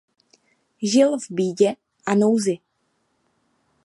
Žil v bídě a nouzi.